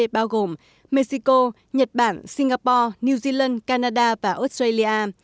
bao gồm mexico nhật bản singapore new zealand canada và australia